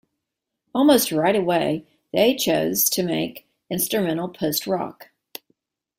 Almost right away they chose to make instrumental post-rock.